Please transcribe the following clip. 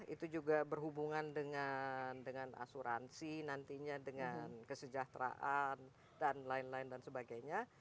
itu juga berhubungan dengan asuransi nantinya dengan kesejahteraan dan lain lain dan sebagainya